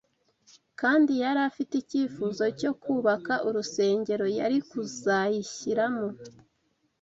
Kandi yari afite icyifuzo cyo kubaka urusengero yari kuzayishyiramo